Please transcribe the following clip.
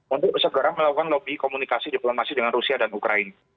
untuk segera melakukan lobby komunikasi diplomasi dengan rusia dan ukraina